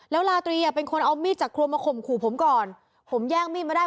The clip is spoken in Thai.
แล้วลาตรีอ่ะเป็นคนเอามีดจากครัวมาข่มขู่ผมก่อนผมแย่งมีดมาได้